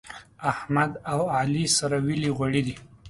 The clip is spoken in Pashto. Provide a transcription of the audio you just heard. احمد او علي سره ويلي غوړي دي.